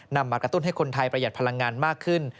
มากระตุ้นให้คนไทยประหยัดพลังงานมากขึ้น